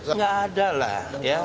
tidak ada lah